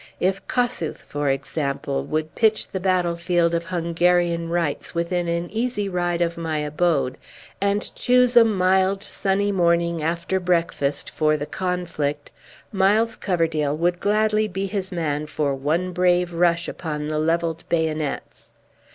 If Kossuth, for example, would pitch the battlefield of Hungarian rights within an easy ride of my abode, and choose a mild, sunny morning, after breakfast, for the conflict, Miles Coverdale would gladly be his man, for one brave rush upon the levelled bayonets.